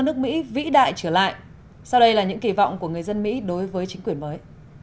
nước mỹ vĩ đại trở lại sau đây là những kỳ vọng của người dân mỹ đối với chính quyền mới